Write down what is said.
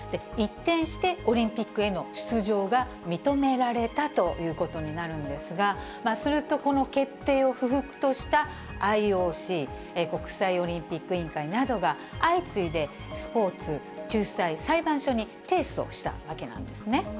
一転して、オリンピックへの出場が認められたということになるんですが、すると、この決定を不服としたＩＯＣ・国際オリンピック委員会などが、相次いでスポーツ仲裁裁判所に提訴したわけなんですね。